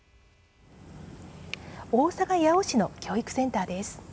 大阪・八尾市の教育センターです。